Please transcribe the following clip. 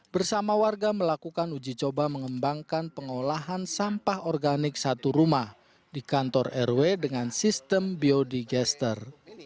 bersama warga melakukan uji coba mengembangkan pengolahan sampah organik satu rumah di kantor rw dengan sistem biodigester